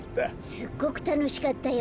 すっごくたのしかったよ。